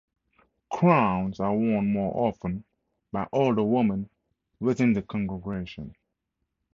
Crowns are worn more often by older women within the congregation.